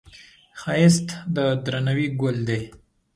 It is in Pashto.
ښایست د درناوي ګل دی